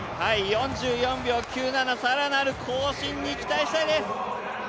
４４秒９７、更なる更新に期待したいです。